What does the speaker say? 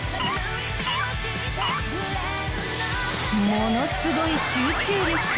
ものすごい集中力。